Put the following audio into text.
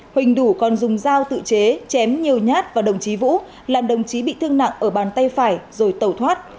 huỳnh đủ còn dùng dao tự chế chém nhiều nhát vào đồng chí vũ làm đồng chí bị thương nặng ở bàn tay phải rồi tẩu thoát